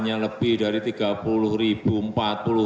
ada yang lebih dari rp tiga puluh rp empat puluh